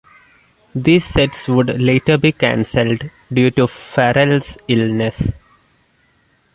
These sets would later be cancelled due to Farrell's illness.